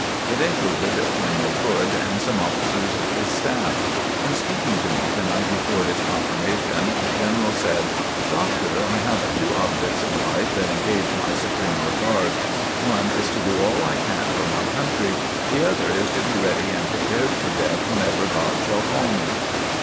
It included General Hood and some officers of his staff. In speaking to me the night before his confirmation, the General said: "Doctor, I have two objects in life that engage my supreme regard. One is to do all I can for my country. The other is to be ready and prepared for death whenever God shall call me."